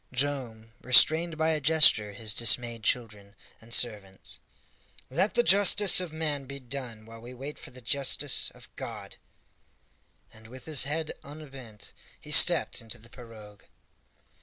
Joam restrained by a gesture his dismayed children and servants. "Let the justice of man be done while we wait for the justice of God!" And with his head unbent, he stepped into the pirogue.